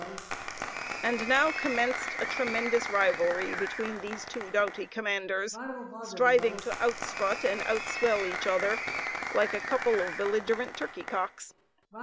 And now commenced a tremendous rivalry between these two doughty commanders, striving to outstrut and outswell each other, like a couple of belligerent turkey cocks.